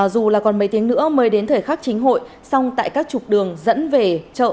dù là còn mấy tiếng nữa mới đến thời khắc chính hội song tại các trục đường dẫn về chợ